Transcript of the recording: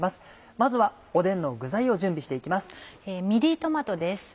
まずはおでんの具材を準備して行きます。